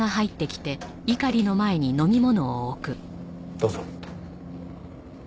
どうぞ。